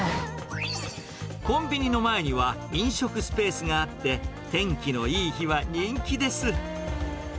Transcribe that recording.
コンビニの前には飲食スペースがあって、天気のいい日は人気です。